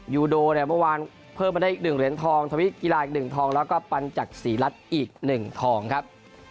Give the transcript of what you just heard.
ยูโดเนี่ยเมื่อวานเพิ่มมาได้อีก๑เหรียญทองทวิกีฬาอีก๑ทองแล้วก็ปัญจักษีรัฐอีก๑ทองครับ